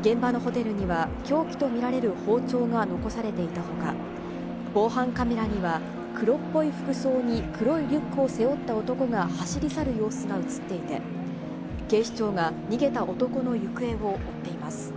現場のホテルには、凶器と見られる包丁が残されていたほか、防犯カメラには黒っぽい服装に黒いリュックを背負った男が走り去る様子が写っていて、警視庁が逃げた男の行方を追っています。